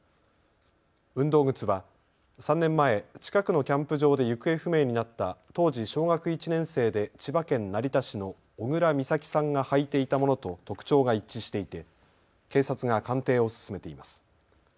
運動靴は３年前、近くのキャンプ場で行方不明になった当時小学１年生で千葉県成田市の小倉美咲さんが履いていたものと特徴が一致していて警察が鑑定を進めています。